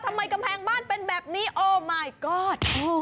กำแพงบ้านเป็นแบบนี้โอมายกอด